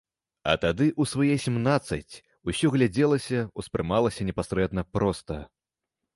А тады, у свае сямнаццаць, усё глядзелася, успрымалася непасрэдна, проста.